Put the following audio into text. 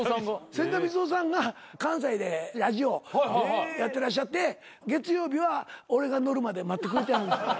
せんだみつおさんが関西でラジオやってらっしゃって月曜日は俺が乗るまで待ってくれて。